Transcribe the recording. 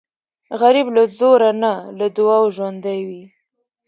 غریب له زوره نه، له دعاو ژوندی وي